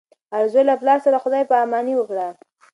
ارزو له پلار سره خدای په اماني وکړه.